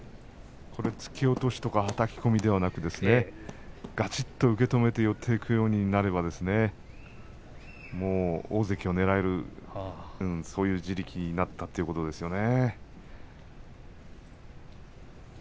突き落としとかはたき込みではなくがちっと受け止めて寄っていくようになれば大関をねらう地力になったということですよね